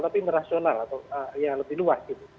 tapi merasional atau yang lebih luas